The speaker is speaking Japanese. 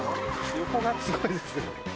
横がすごいですよ。